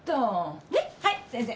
ねっはい先生。